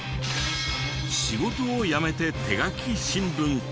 仕事を辞めて手描き新聞か？